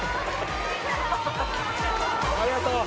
ありがとう！